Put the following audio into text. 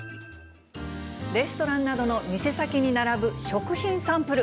レストランなどの店先に並ぶ食品サンプル。